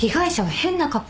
変な格好。